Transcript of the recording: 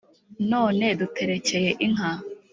none duterekeye inka